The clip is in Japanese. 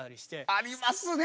ありますね！